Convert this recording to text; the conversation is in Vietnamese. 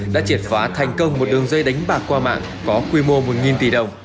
đã triệt phá thành công một đường dây đánh bạc qua mạng có quy mô một tỷ đồng